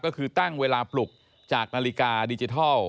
ก็คือตั้งเวลาปลุกจากนาฬิกาดิจิทัล